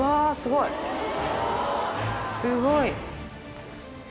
すごい！